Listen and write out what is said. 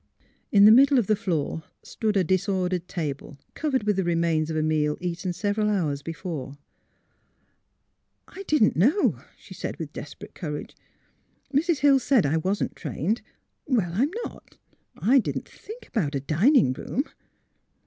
In the middle of the floor stood a disordered table, covered with the remains of a meal eaten several hours before. " I — I didn't know," she said, with desperate courage. " Mrs. Hill said I wasn't trained. Well, I'm not. I didn't think about a dining room."